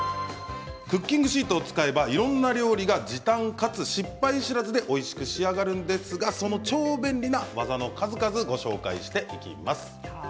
クッキングシートを使えばいろんな料理が時短かつ失敗知らずでおいしく仕上がるんですがその超便利な技の数々をご紹介していきます。